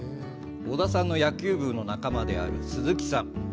織田さんの野球部の仲間である鈴木さん。